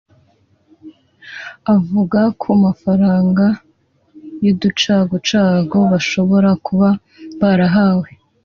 Avuga ku cy’amafaranga y’uducagucagu bashobora kuba barahawe